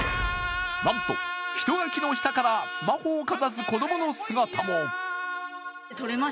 なんと人垣の下からスマホをかざす子供の姿も。